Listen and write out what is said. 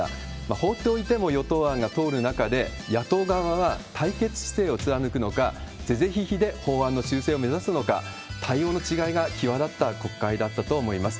放っておいても与党案が通る中で、野党側は対決姿勢を貫くのか、是々非々で法案の修正を目指すのか、対応の違いが際立った国会だったと思います。